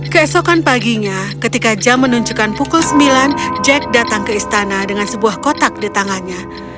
keesokan paginya ketika jam menunjukkan pukul sembilan jack datang ke istana dengan sebuah kotak di tangannya